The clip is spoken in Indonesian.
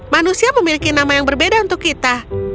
manusia memiliki nama yang berbeda untuk kita